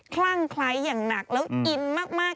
คลั่งคล้ายอย่างหนักแล้วอินมาก